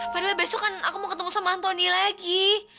padahal besok kan aku mau ketemu sama anthony lagi